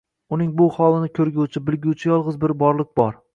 Uning bu holini ko'rguvchi, bilguvchi yolg'iz bir Borliq bor...